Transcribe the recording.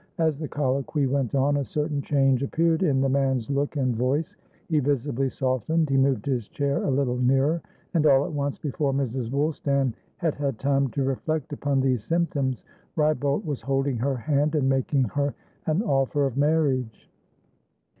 As the colloquy went on, a certain change appeared in the man's look and voice; he visibly softened, he moved his chair a little nearer, and all at once, before Mrs. Woolstan had had time to reflect upon these symptoms, Wrybolt was holding her hand and making her an offer of marriage.